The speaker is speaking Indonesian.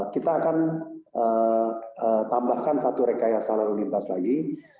kita akan tambahkan satu rekayasa lalu lintas lagi